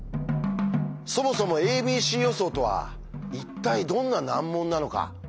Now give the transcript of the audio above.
そもそも「ａｂｃ予想」とは一体どんな難問なのか。